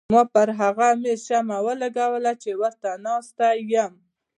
ما پر هغه مېز شمه ولګوله چې ورته ناسته یم.